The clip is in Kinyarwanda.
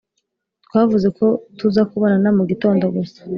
Twavuze ko tuza kubonana mu gitondo gusa